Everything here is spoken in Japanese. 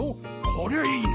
こりゃいいな。